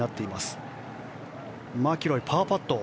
そして、マキロイのパーパット。